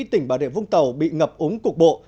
tỉnh bà đệ vũng tàu bị ngập ống cục bộ